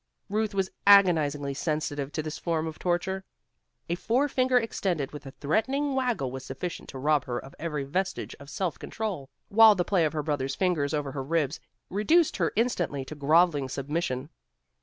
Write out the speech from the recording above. Ruth was agonizingly sensitive to this form of torture. A forefinger extended with a threatening waggle was sufficient to rob her of every vestige of self control, while the play of her brother's fingers over her ribs reduced her instantly to grovelling submission.